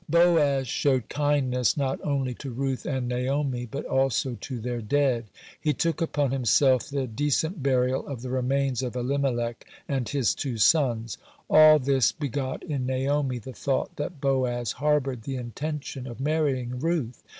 (54) Boaz showed kindness not only to Ruth and Naomi, but also to their dead. He took upon himself the decent burial of the remains of Elimelech and his two sons. (55) All this begot in Naomi the thought that Boaz harbored the intention of marrying Ruth.